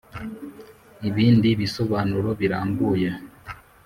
ibindi bisobanuro birambuye.